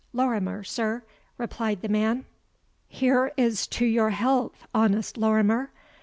"Lorimer, sir," replied the man. "Here is to your health, honest Lorimer.